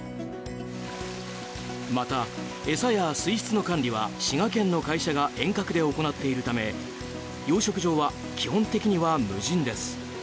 また、餌や水質の管理は滋賀県の会社が遠隔で行っているため養殖場は基本的には無人です。